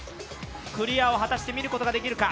クリアを果たして見ることができるか。